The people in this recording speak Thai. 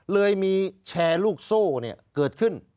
เลยมีแชร์ลูกโซ่เกิดขึ้น